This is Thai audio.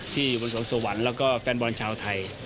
ที่อยู่บนสวนสวรรค์และแฟนบอลชาวไทย